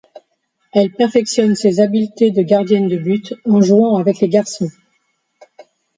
Elle perfectionne ses habiletés de gardienne de but en jouant avec les garçons.